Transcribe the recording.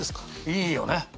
いいよね！